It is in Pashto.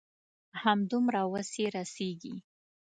همدومره وس يې رسيږي.